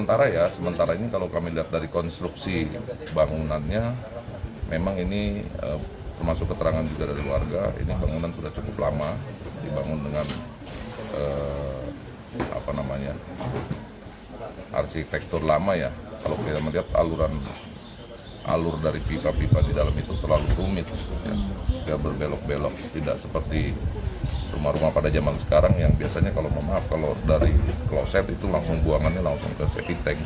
dalam itu terlalu rumit berbelok belok tidak seperti rumah rumah pada zaman sekarang yang biasanya kalau dari kloset itu langsung buangannya langsung ke sepi tank